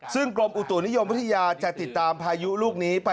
ซึ่งกรมอุตุนิยมวิทยาจะติดตามพายุลูกนี้ไป